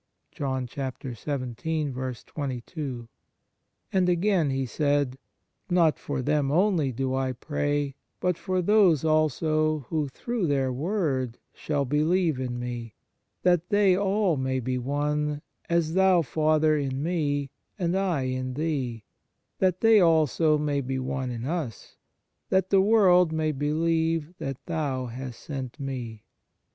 1 And again He said: / Not for them only do I pray, but for those also who through their word shall believe in Me; that they all may be one, as Thou, Father, in Me, and I in Thee; that they also may be one in Us ; that the world may believe that Thou hast sent Me."